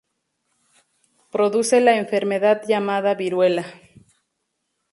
Produce la enfermedad llamada viruela.